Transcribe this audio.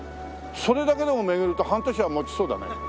それだけでも巡ると半年は持ちそうだね。